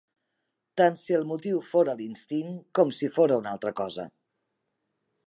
Tant si el motiu fora l'instint com si fora una altra cosa.